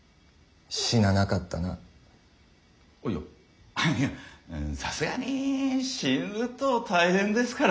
あいやあいやさすがに死ぬと大変ですから。